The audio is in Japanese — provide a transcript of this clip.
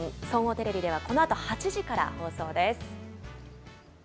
総合テレビではこのあと８時から放送です。